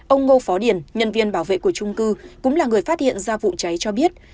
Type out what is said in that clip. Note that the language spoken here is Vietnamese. ông ngô phó điền nhân viên bảo vệ của trung cư cũng là người phát hiện ra vụ cháy cho biết